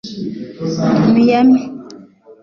Miami